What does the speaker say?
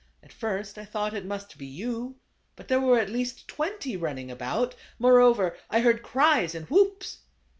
At first I thought it must be you, but there were at least twenty running about; moreover, I heard cries and whoops.